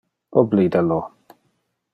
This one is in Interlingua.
Oblida lo.